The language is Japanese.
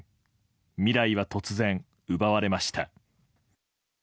未来は突然、奪われました。